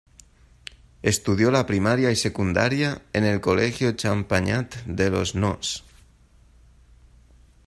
Estudió la primaria y secundaria en el Colegio Champagnat de los Hnos.